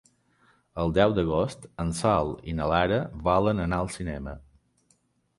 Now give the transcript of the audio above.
El deu d'agost en Sol i na Lara volen anar al cinema.